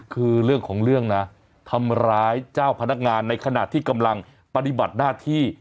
คือเรื่องของเรื่องนะทำร้ายเจ้าพนักงานในขณะที่กำลังปฏิบัติหน้าที่